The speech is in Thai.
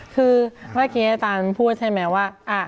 คือเมื่อกี้อาจารย์พูดใช่ไหมว่า